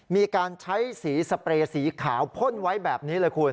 มีการใช้สีสเปรย์สีขาวพ่นไว้แบบนี้เลยคุณ